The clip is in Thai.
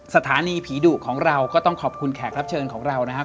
สถานีผีดุของเราก็ต้องขอบคุณแขกรับเชิญของเรานะครับ